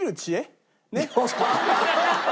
ハハハハ！